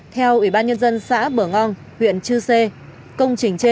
theo ủy ban nhân dân xã bở ngong huyện chư sê